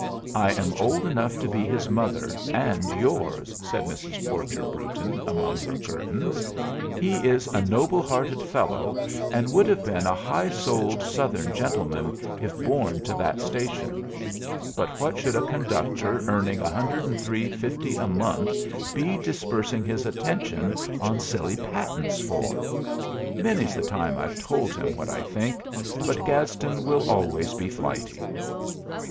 "I am old enough to be his mother, and yours," said Mrs. Porcher Brewton among her curtains. "He is a noble hearted fellow, and would have been a high souled Southern gentleman if born to that station. But what should a conductor earning $103.50 a month be dispersing his attention on silly patents for? Many's the time I've told him what I think; but Gadsden will always be flighty."